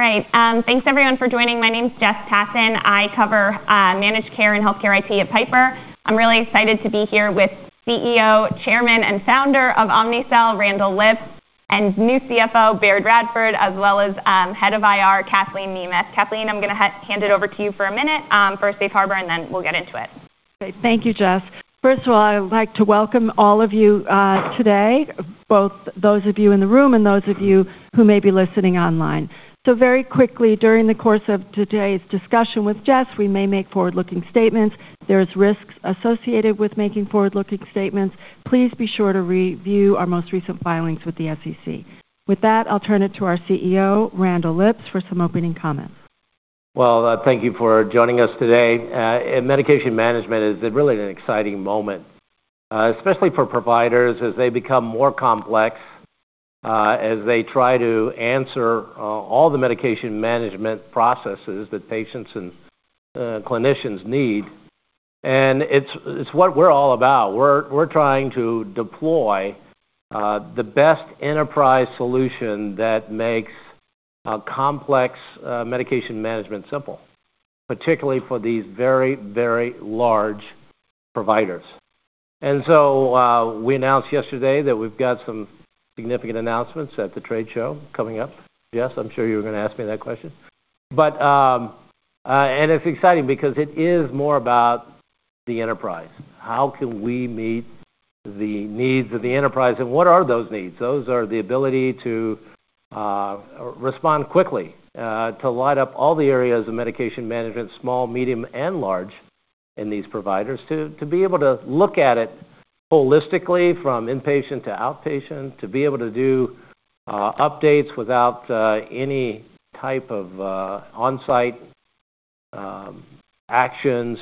All right. Thanks, everyone, for joining. My name's Jess Tassan. I cover managed care and healthcare IT at Piper. I'm really excited to be here with CEO, Chairman, and Founder of Omnicell, Randall Lipps, and new CFO, Baird Radford, as well as Head of IR, Kathleen Nemeth. Kathleen, I'm going to hand it over to you for a minute for Safe Harbor, and then we'll get into it. Thank you, Jess. First of all, I would like to welcome all of you today, both those of you in the room and those of you who may be listening online. So very quickly, during the course of today's discussion with Jess, we may make forward-looking statements. There are risks associated with making forward-looking statements. Please be sure to review our most recent filings with the SEC. With that, I'll turn it to our CEO, Randall Lipps, for some opening comments. Thank you for joining us today. Medication management is really an exciting moment, especially for providers as they become more complex, as they try to answer all the medication management processes that patients and clinicians need. And it's what we're all about. We're trying to deploy the best enterprise solution that makes complex medication management simple, particularly for these very, very large providers. And so we announced yesterday that we've got some significant announcements at the trade show coming up. Jess, I'm sure you were going to ask me that question. And it's exciting because it is more about the enterprise. How can we meet the needs of the enterprise? And what are those needs? Those are the ability to respond quickly, to light up all the areas of medication management, small, medium, and large in these providers, to be able to look at it holistically from inpatient to outpatient, to be able to do updates without any type of onsite actions,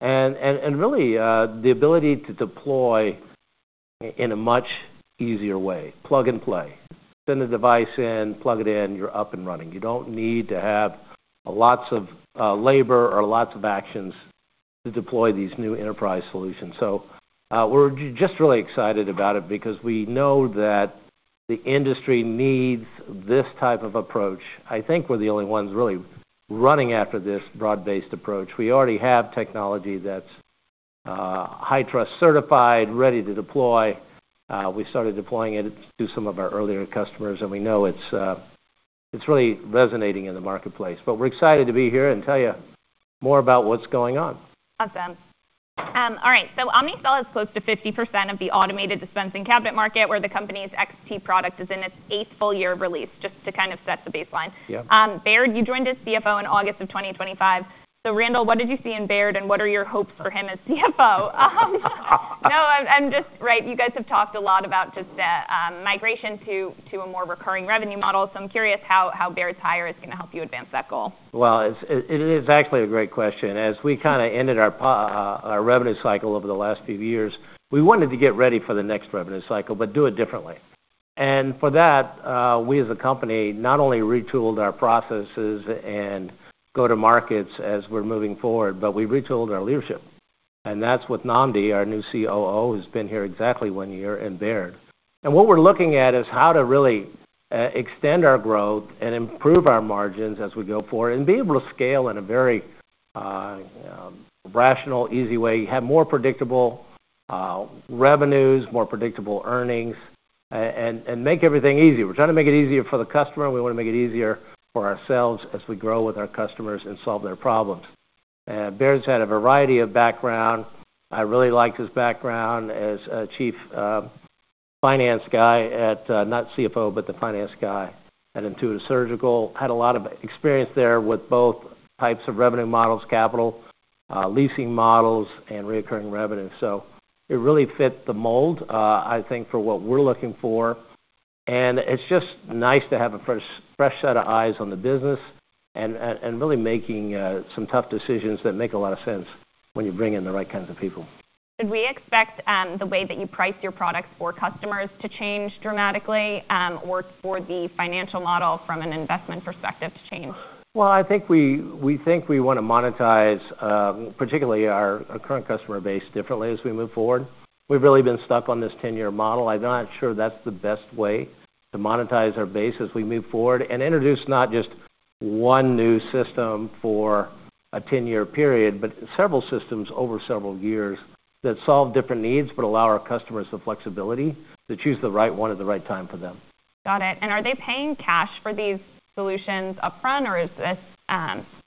and really the ability to deploy in a much easier way, plug and play. Send a device in, plug it in, you're up and running. You don't need to have lots of labor or lots of actions to deploy these new enterprise solutions. So we're just really excited about it because we know that the industry needs this type of approach. I think we're the only ones really running after this broad-based approach. We already have technology that's high-trust certified, ready to deploy. We started deploying it to some of our earlier customers, and we know it's really resonating in the marketplace. But we're excited to be here and tell you more about what's going on. Awesome. All right. So Omnicell is close to 50% of the automated dispensing cabinet market, where the company's XT product is in its eighth full year of release, just to kind of set the baseline. Baird, you joined as CFO in August of 2025. So Randall, what did you see in Baird, and what are your hopes for him as CFO? No, I'm just, right, you guys have talked a lot about just migration to a more recurring revenue model. So I'm curious how Baird's hire is going to help you advance that goal. It is actually a great question. As we kind of ended our revenue cycle over the last few years, we wanted to get ready for the next revenue cycle, but do it differently. And for that, we as a company not only retooled our processes and go-to-markets as we're moving forward, but we retooled our leadership. And that's with Nnamdi, our new COO, who's been here exactly one year and Baird. And what we're looking at is how to really extend our growth and improve our margins as we go forward and be able to scale in a very rational, easy way, have more predictable revenues, more predictable earnings, and make everything easier. We're trying to make it easier for the customer, and we want to make it easier for ourselves as we grow with our customers and solve their problems. Baird's had a variety of background. I really liked his background as a chief finance guy at not CFO, but the finance guy at Intuitive Surgical. Had a lot of experience there with both types of revenue models, capital, leasing models, and recurring revenue. So it really fit the mold, I think, for what we're looking for. And it's just nice to have a fresh set of eyes on the business and really making some tough decisions that make a lot of sense when you bring in the right kinds of people. Did we expect the way that you price your products for customers to change dramatically, or for the financial model from an investment perspective to change? I think we want to monetize, particularly our current customer base, differently as we move forward. We've really been stuck on this 10-year model. I'm not sure that's the best way to monetize our base as we move forward and introduce not just one new system for a 10-year period, but several systems over several years that solve different needs, but allow our customers the flexibility to choose the right one at the right time for them. Got it. And are they paying cash for these solutions upfront, or is this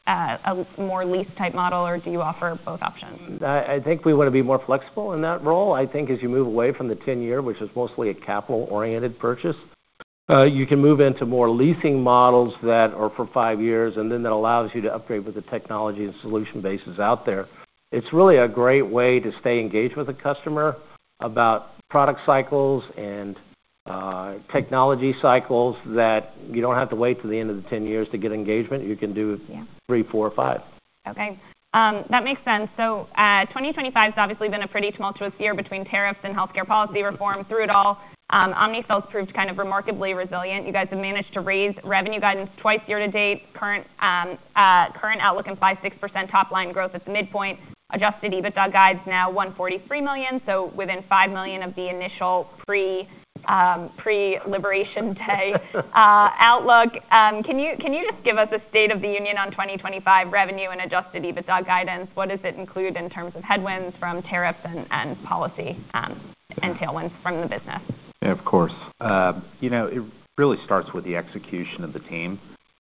a more lease-type model, or do you offer both options? I think we want to be more flexible in that role. I think as you move away from the 10-year, which is mostly a capital-oriented purchase, you can move into more leasing models that are for five years, and then that allows you to upgrade with the technology and solution bases out there. It's really a great way to stay engaged with a customer about product cycles and technology cycles that you don't have to wait to the end of the 10 years to get engagement. You can do three, four, or five. Okay. That makes sense. So 2025 has obviously been a pretty tumultuous year between tariffs and healthcare policy reform through it all. Omnicell's proved kind of remarkably resilient. You guys have managed to raise revenue guidance twice, year to date. Current outlook is 5%-6% top-line growth at the midpoint. Adjusted EBITDA guidance now $143 million, so within $5 million of the initial pre-election day outlook. Can you just give us a state of the union on 2025 revenue and adjusted EBITDA guidance? What does it include in terms of headwinds from tariffs and policy implications from the business? Yeah, of course. It really starts with the execution of the team.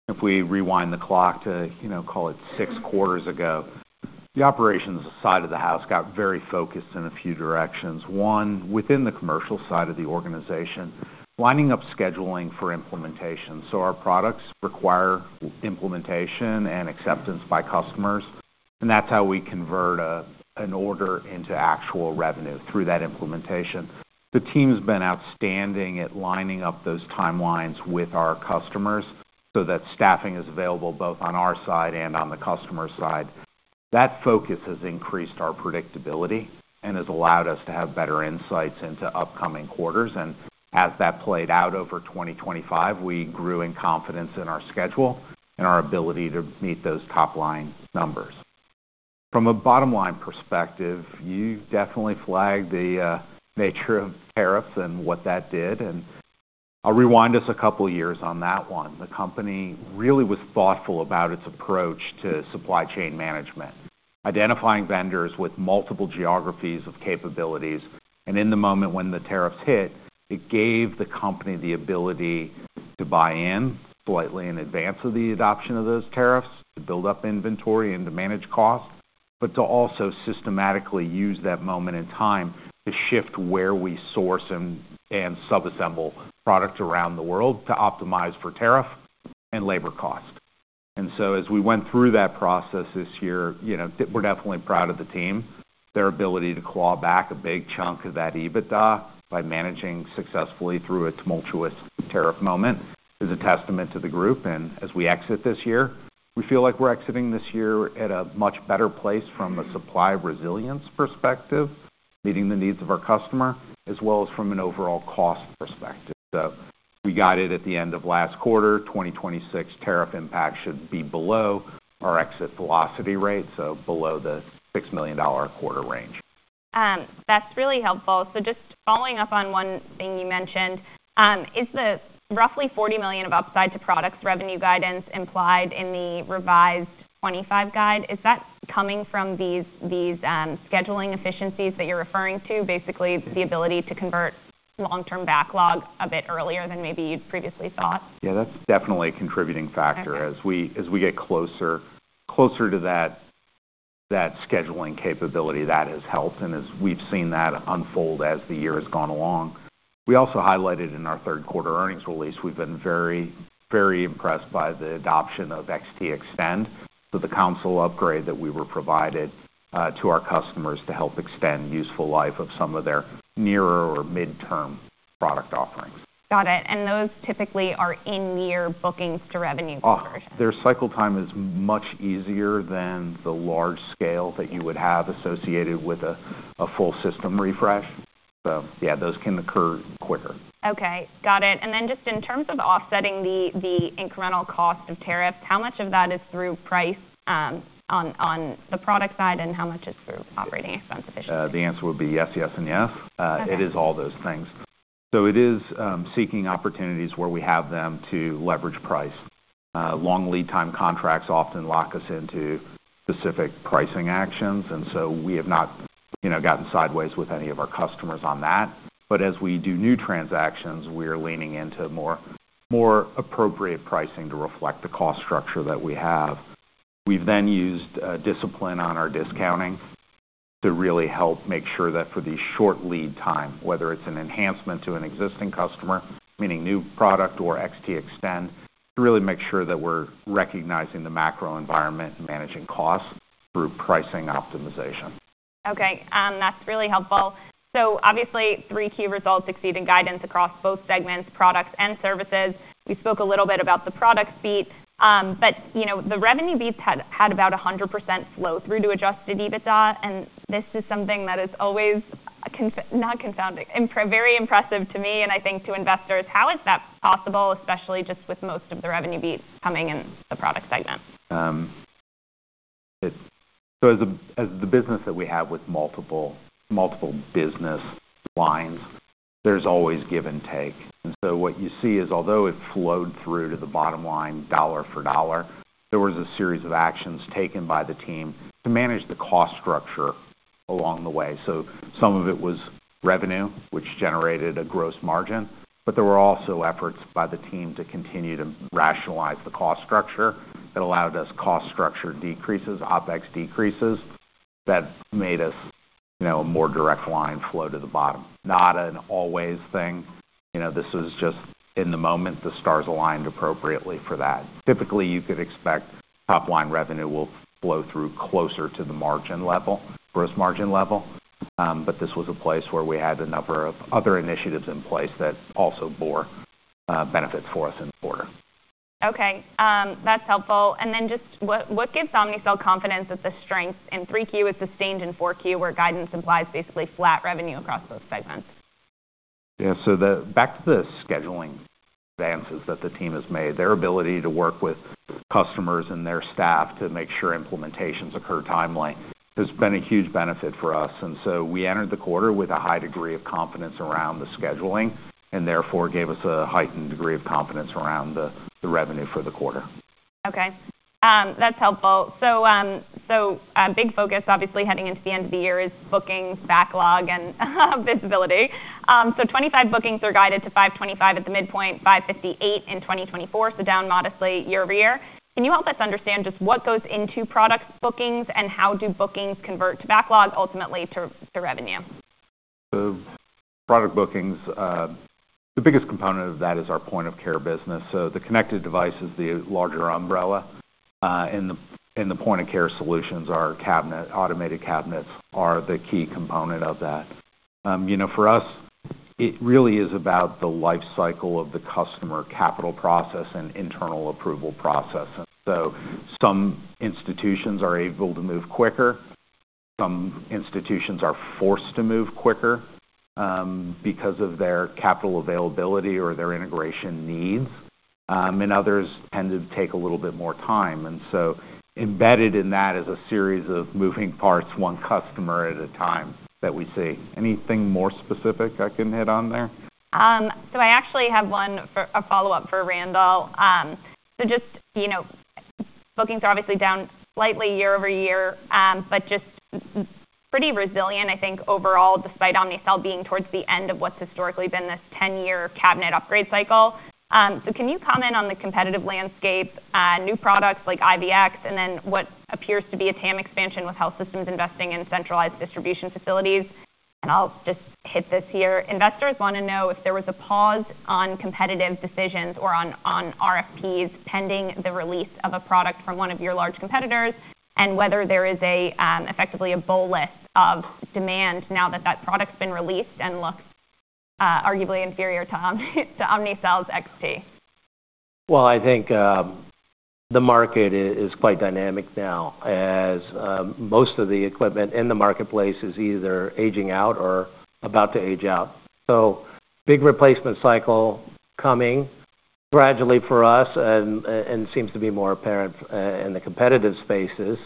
If we rewind the clock to, call it, six quarters ago, the operations side of the house got very focused in a few directions. One, within the commercial side of the organization, lining up scheduling for implementation. So our products require implementation and acceptance by customers. And that's how we convert an order into actual revenue through that implementation. The team's been outstanding at lining up those timelines with our customers so that staffing is available both on our side and on the customer side. That focus has increased our predictability and has allowed us to have better insights into upcoming quarters. And as that played out over 2025, we grew in confidence in our schedule and our ability to meet those top-line numbers. From a bottom-line perspective, you definitely flagged the nature of tariffs and what that did. And I'll rewind us a couple of years on that one. The company really was thoughtful about its approach to supply chain management, identifying vendors with multiple geographies of capabilities. And in the moment when the tariffs hit, it gave the company the ability to buy in slightly in advance of the adoption of those tariffs, to build up inventory and to manage costs, but to also systematically use that moment in time to shift where we source and subassemble products around the world to optimize for tariff and labor costs. And so as we went through that process this year, we're definitely proud of the team. Their ability to claw back a big chunk of that EBITDA by managing successfully through a tumultuous tariff moment is a testament to the group. As we exit this year, we feel like we're exiting this year at a much better place from a supply resilience perspective, meeting the needs of our customer, as well as from an overall cost perspective. So we got it at the end of last quarter. The 2026 tariff impact should be below our exit velocity rate, so below the $6 million quarter range. That's really helpful. So just following up on one thing you mentioned, is the roughly $40 million of upside to products revenue guidance implied in the revised 2025 guide? Is that coming from these scheduling efficiencies that you're referring to, basically the ability to convert long-term backlog a bit earlier than maybe you'd previously thought? Yeah, that's definitely a contributing factor. As we get closer to that scheduling capability, that has helped. And as we've seen that unfold as the year has gone along, we also highlighted in our third quarter earnings release, we've been very, very impressed by the adoption of XT Extend, so the console upgrade that we provide to our customers to help extend the useful life of some of their nearer-term or mid-term product offerings. Got it. And those typically are in-year bookings to revenue conversion. Their cycle time is much easier than the large scale that you would have associated with a full system refresh. So yeah, those can occur quicker. Okay. Got it. And then just in terms of offsetting the incremental cost of tariffs, how much of that is through price on the product side, and how much is through operating expense efficiency? The answer would be yes, yes, and yes. It is all those things, so it is seeking opportunities where we have them to leverage price. Long lead-time contracts often lock us into specific pricing actions, and so we have not gotten sideways with any of our customers on that, but as we do new transactions, we are leaning into more appropriate pricing to reflect the cost structure that we have. We've then used discipline on our discounting to really help make sure that for the short lead time, whether it's an enhancement to an existing customer, meaning new product or XT Extend, to really make sure that we're recognizing the macro environment and managing costs through pricing optimization. Okay. That's really helpful. So obviously, three key results exceeding guidance across both segments, products, and services. We spoke a little bit about the product beat, but the revenue beat had about 100% flow-through to Adjusted EBITDA. And this is something that is always not confounding, very impressive to me, and I think to investors. How is that possible, especially just with most of the revenue beats coming in the product segment? So as the business that we have with multiple business lines, there's always give and take. And so what you see is, although it flowed through to the bottom line dollar for dollar, there was a series of actions taken by the team to manage the cost structure along the way. So some of it was revenue, which generated a gross margin, but there were also efforts by the team to continue to rationalize the cost structure that allowed us cost structure decreases, OpEx decreases that made us a more direct line flow to the bottom. Not an always thing. This was just in the moment the stars aligned appropriately for that. Typically, you could expect top-line revenue will flow through closer to the margin level, gross margin level. But this was a place where we had a number of other initiatives in place that also bore benefit for us in the quarter. Okay. That's helpful. And then just what gives Omnicell confidence that the strength in 3Q is sustained in 4Q, where guidance implies basically flat revenue across those segments? Yeah. So back to the scheduling advances that the team has made, their ability to work with customers and their staff to make sure implementations occur timely has been a huge benefit for us. And so we entered the quarter with a high degree of confidence around the scheduling and therefore gave us a heightened degree of confidence around the revenue for the quarter. Okay. That's helpful. So a big focus, obviously, heading into the end of the year is bookings, backlog, and visibility. So 25 bookings are guided to 525 at the midpoint, 558 in 2024, so down modestly year-over-year. Can you help us understand just what goes into product bookings and how do bookings convert to backlog, ultimately to revenue? Product bookings, the biggest component of that is our point of care business. The connected device is the larger umbrella. The point of care solutions, our automated cabinets, are the key component of that. For us, it really is about the life cycle of the customer capital process and internal approval process. Some institutions are able to move quicker. Some institutions are forced to move quicker because of their capital availability or their integration needs. Others tend to take a little bit more time. Embedded in that is a series of moving parts, one customer at a time that we see. Anything more specific I can hit on there? I actually have one follow-up for Randall. Just bookings are obviously down slightly year-over-year, but just pretty resilient, I think, overall, despite Omnicell being towards the end of what's historically been this 10-year cabinet upgrade cycle. Can you comment on the competitive landscape, new products like IVX, and then what appears to be a TAM expansion with health systems investing in centralized distribution facilities? I'll just hit this here. Investors want to know if there was a pause on competitive decisions or on RFPs pending the release of a product from one of your large competitors and whether there is effectively a bull list of demand now that that product's been released and looks arguably inferior to Omnicell's XT. Well, I think the market is quite dynamic now as most of the equipment in the marketplace is either aging out or about to age out. So big replacement cycle coming gradually for us and seems to be more apparent in the competitive spaces.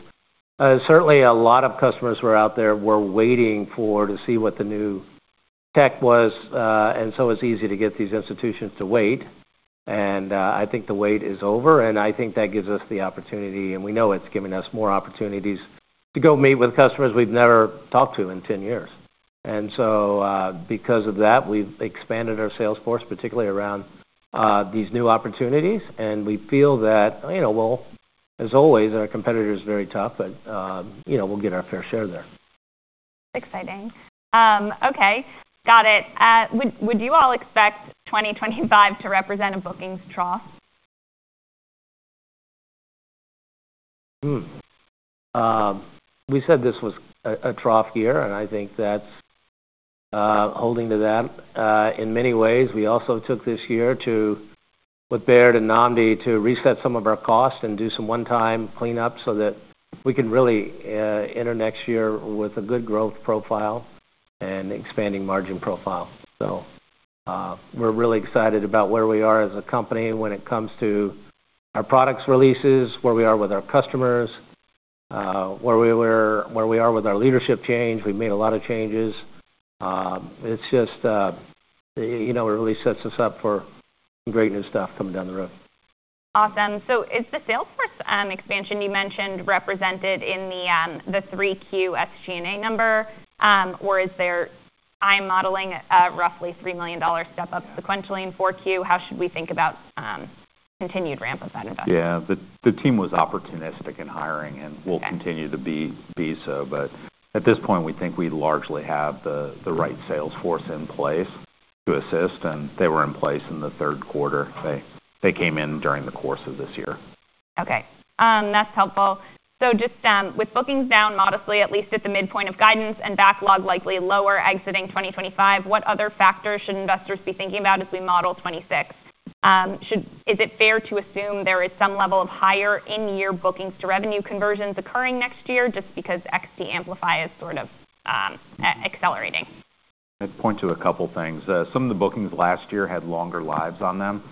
Certainly, a lot of customers were out there waiting to see what the new tech was. And so it's easy to get these institutions to wait. And I think the wait is over. And I think that gives us the opportunity, and we know it's giving us more opportunities to go meet with customers we've never talked to in 10 years. And so because of that, we've expanded our sales force, particularly around these new opportunities. And we feel that, well, as always, our competitor is very tough, but we'll get our fair share there. Exciting. Okay. Got it. Would you all expect 2025 to represent a bookings trough? We said this was a trough year, and I think that's holding to that in many ways. We also took this year with Baird and Nnamdi to reset some of our costs and do some one-time cleanup so that we can really enter next year with a good growth profile and expanding margin profile. So we're really excited about where we are as a company when it comes to our product releases, where we are with our customers, where we are with our leadership change. We've made a lot of changes. It's just it really sets us up for some great new stuff coming down the road. Awesome. So is the sales force expansion you mentioned represented in the 3Q SG&A number, or are we modeling a roughly $3 million step-up sequentially in 4Q? How should we think about continued ramp of that investment? Yeah. The team was opportunistic in hiring and will continue to be so, but at this point, we think we largely have the right sales force in place to assist, and they were in place in the third quarter. They came in during the course of this year. Okay. That's helpful. So just with bookings down modestly, at least at the midpoint of guidance and backlog likely lower exiting 2025, what other factors should investors be thinking about as we model 2026? Is it fair to assume there is some level of higher in-year bookings to revenue conversions occurring next year just because XT Amplify is sort of accelerating? I'd point to a couple of things. Some of the bookings last year had longer lives on them.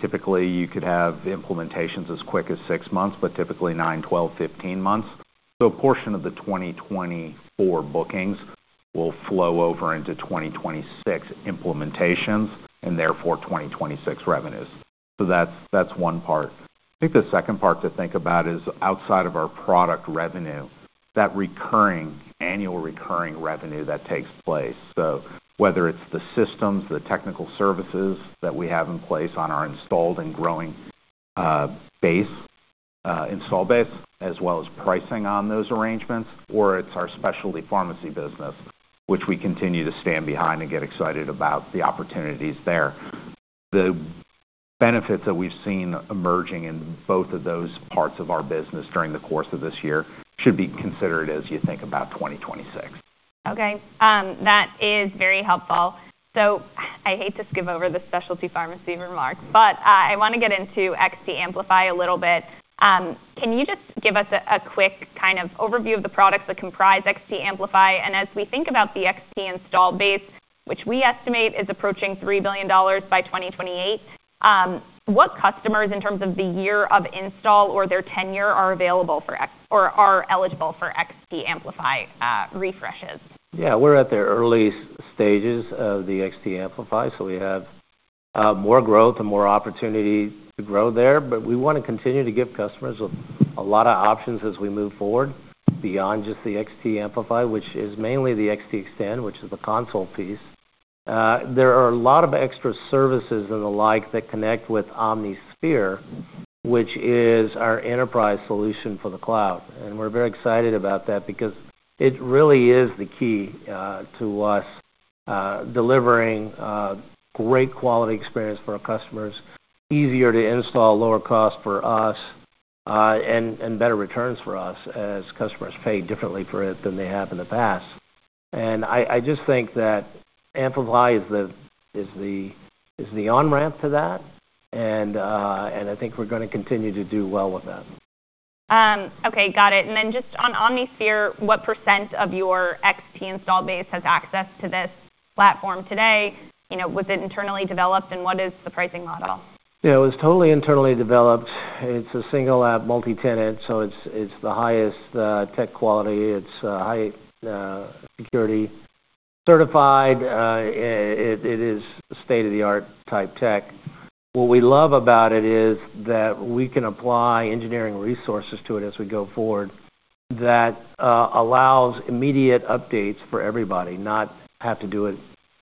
Typically, you could have implementations as quick as six months, but typically 9, 12, 15 months. So a portion of the 2024 bookings will flow over into 2026 implementations and therefore 2026 revenues. So that's one part. I think the second part to think about is outside of our product revenue, that recurring annual recurring revenue that takes place. So whether it's the systems, the technical services that we have in place on our installed and growing install base, as well as pricing on those arrangements, or it's our specialty pharmacy business, which we continue to stand behind and get excited about the opportunities there. The benefits that we've seen emerging in both of those parts of our business during the course of this year should be considered as you think about 2026. Okay. That is very helpful. So I hate to skip over the specialty pharmacy remarks, but I want to get into XT Amplify a little bit. Can you just give us a quick kind of overview of the products that comprise XT Amplify? And as we think about the XT install base, which we estimate is approaching $3 billion by 2028, what customers in terms of the year of install or their tenure are available for or are eligible for XT Amplify refreshes? Yeah. We're at the early stages of the XT Amplify. So we have more growth and more opportunity to grow there. But we want to continue to give customers a lot of options as we move forward beyond just the XT Amplify, which is mainly the XT Extend, which is the console piece. There are a lot of extra services and the like that connect with OmniSphere, which is our enterprise solution for the cloud. And we're very excited about that because it really is the key to us delivering great quality experience for our customers, easier to install, lower cost for us, and better returns for us as customers pay differently for it than they have in the past. And I just think that Amplify is the on-ramp to that. And I think we're going to continue to do well with that. Okay. Got it. And then just on OmniSphere, what percent of your XT installed base has access to this platform today? Was it internally developed and what is the pricing model? Yeah. It was totally internally developed. It's a single-app multi-tenant. So it's the highest tech quality. It's high security certified. It is state-of-the-art type tech. What we love about it is that we can apply engineering resources to it as we go forward that allows immediate updates for everybody, not have to do it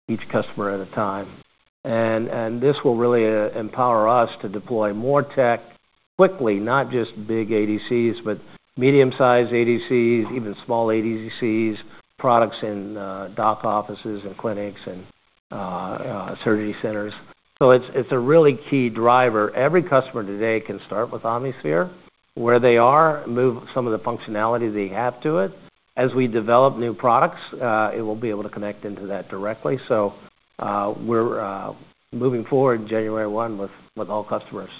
each customer at a time. And this will really empower us to deploy more tech quickly, not just big ADCs, but medium-sized ADCs, even small ADCs, products in doc offices and clinics and surgery centers. So it's a really key driver. Every customer today can start with OmniSphere where they are and move some of the functionality they have to it. As we develop new products, it will be able to connect into that directly. So we're moving forward January 1 with all customers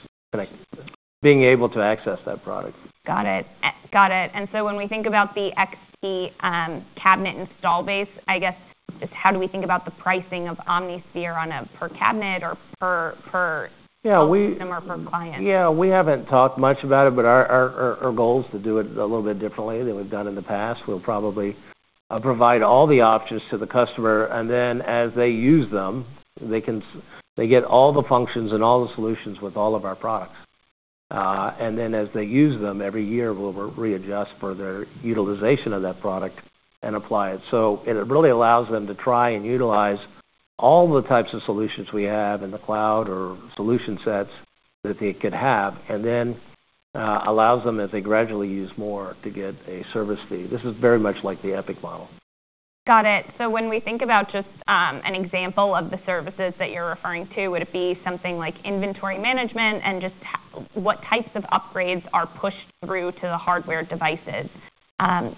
being able to access that product. Got it. Got it. And so when we think about the XT cabinet install base, I guess just how do we think about the pricing of OmniSphere on a per cabinet or per customer or per client? Yeah. We haven't talked much about it, but our goal is to do it a little bit differently than we've done in the past. We'll probably provide all the options to the customer, and then as they use them, they get all the functions and all the solutions with all of our products, and then as they use them every year, we'll readjust for their utilization of that product and apply it, so it really allows them to try and utilize all the types of solutions we have in the cloud or solution sets that they could have, and then allows them as they gradually use more to get a service fee. This is very much like the Epic model. Got it. So when we think about just an example of the services that you're referring to, would it be something like inventory management and just what types of upgrades are pushed through to the hardware devices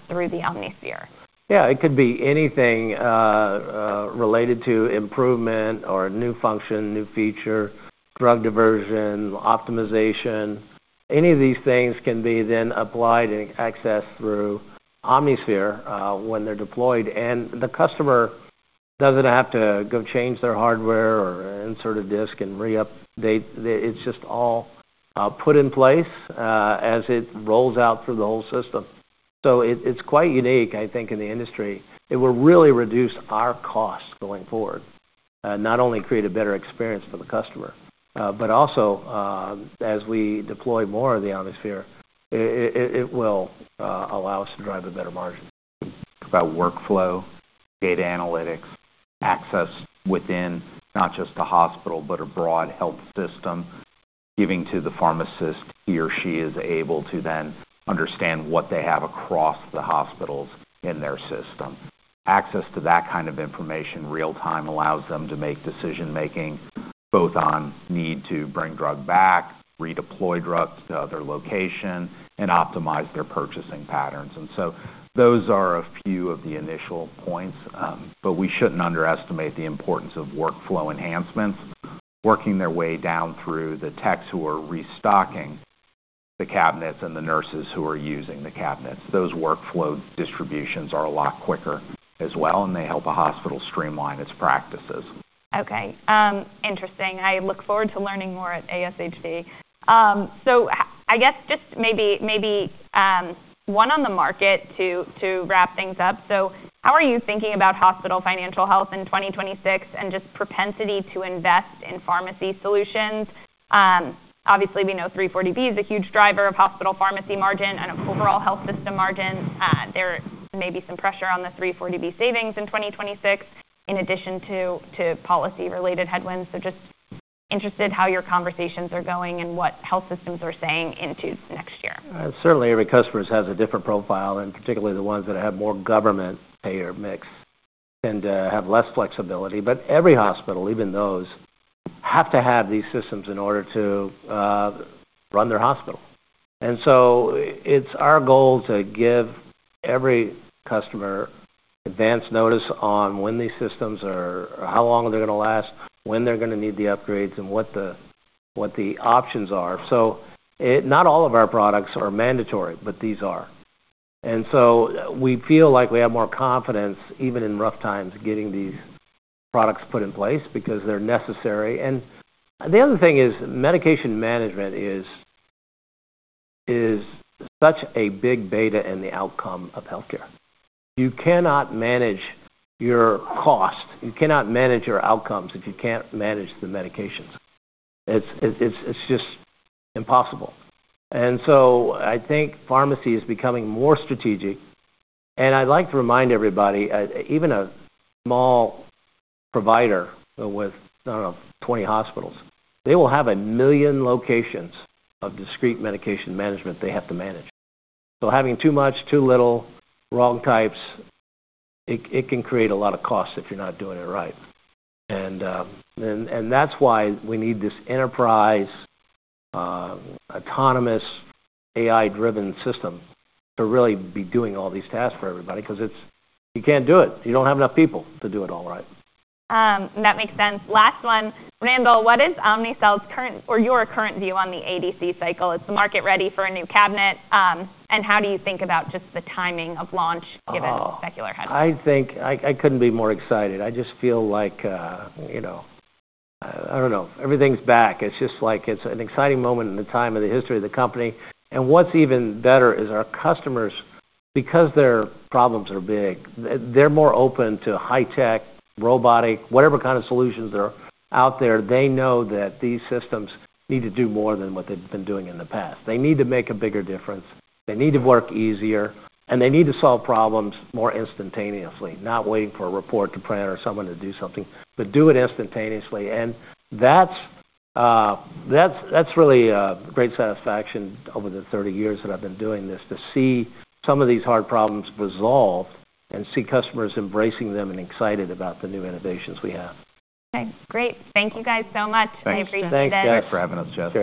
through the OmniSphere? Yeah. It could be anything related to improvement or new function, new feature, drug diversion, optimization. Any of these things can be then applied and accessed through OmniSphere when they're deployed, and the customer doesn't have to go change their hardware or insert a disk and re-update. It's just all put in place as it rolls out through the whole system, so it's quite unique, I think, in the industry. It will really reduce our costs going forward, not only create a better experience for the customer, but also as we deploy more of the OmniSphere, it will allow us to drive a better margin. About workflow, data analytics, access within not just the hospital, but a broad health system, giving to the pharmacist he or she is able to then understand what they have across the hospitals in their system. Access to that kind of information real-time allows them to make decision-making both on need to bring drugs back, redeploy drugs to other locations, and optimize their purchasing patterns. And so those are a few of the initial points. But we shouldn't underestimate the importance of workflow enhancements, working their way down through the techs who are restocking the cabinets and the nurses who are using the cabinets. Those workflow distributions are a lot quicker as well, and they help a hospital streamline its practices. Okay. Interesting. I look forward to learning more at ASHP. So I guess just maybe one on the market to wrap things up. So how are you thinking about hospital financial health in 2026 and just propensity to invest in pharmacy solutions? Obviously, we know 340B is a huge driver of hospital pharmacy margin and overall health system margin. There may be some pressure on the 340B savings in 2026 in addition to policy-related headwinds. So just interested how your conversations are going and what health systems are saying into next year. Certainly, every customer has a different profile, and particularly the ones that have more government payer mix tend to have less flexibility, but every hospital, even those, have to have these systems in order to run their hospital, and so it's our goal to give every customer advance notice on when these systems are, how long they're going to last, when they're going to need the upgrades, and what the options are, so not all of our products are mandatory, but these are, and so we feel like we have more confidence even in rough times getting these products put in place because they're necessary, and the other thing is medication management is such a big bet in the outcome of healthcare. You cannot manage your cost. You cannot manage your outcomes if you can't manage the medications. It's just impossible, and so I think pharmacy is becoming more strategic. And I'd like to remind everybody, even a small provider with, I don't know, 20 hospitals, they will have a million locations of discrete medication management they have to manage. So having too much, too little, wrong types, it can create a lot of costs if you're not doing it right. And that's why we need this enterprise autonomous AI-driven system to really be doing all these tasks for everybody because you can't do it. You don't have enough people to do it all right. That makes sense. Last one. Randall, what is Omnicell's current or your current view on the ADC cycle? Is the market ready for a new cabinet? And how do you think about just the timing of launch, given secular headlines? I think I couldn't be more excited. I just feel like, I don't know, everything's back. It's just like it's an exciting moment in the time of the history of the company. And what's even better is our customers, because their problems are big, they're more open to high-tech, robotic, whatever kind of solutions are out there. They know that these systems need to do more than what they've been doing in the past. They need to make a bigger difference. They need to work easier, and they need to solve problems more instantaneously, not waiting for a report to print or someone to do something, but do it instantaneously. And that's really a great satisfaction over the 30 years that I've been doing this to see some of these hard problems resolved and see customers embracing them and excited about the new innovations we have. Okay. Great. Thank you guys so much. I appreciate this. Thanks, Jess, for having us.